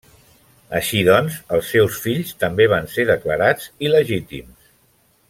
Així doncs, els seus fills també van ser declarats il·legítims.